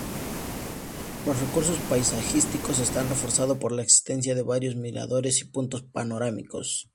Los recursos paisajísticos están reforzado por la existencia de varios miradores y puntos panorámicos.